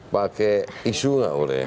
pakai isu nggak boleh